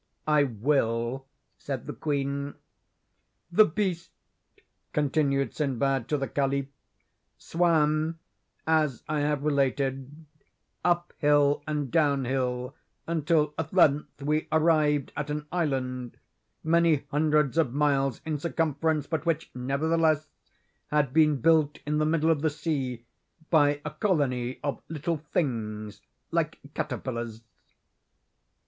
"I will," said the queen. "'The beast,' continued Sinbad to the caliph, 'swam, as I have related, up hill and down hill until, at length, we arrived at an island, many hundreds of miles in circumference, but which, nevertheless, had been built in the middle of the sea by a colony of little things like caterpillars.